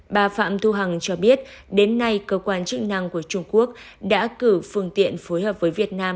bà phạm thu hằng cho biết đến nay cơ quan chức năng của trung quốc đã cử phương tiện phối hợp với việt nam